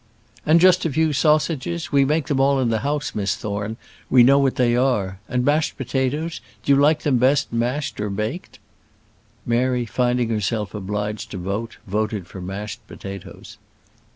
"And just a few sausages. We make them all in the house, Miss Thorne; we know what they are. And mashed potatoes do you like them best mashed or baked?" Mary finding herself obliged to vote, voted for mashed potatoes.